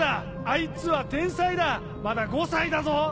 あいつは天才だまだ５歳だぞ！